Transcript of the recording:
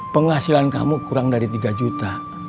penghasilan kamu kurang dari tiga juta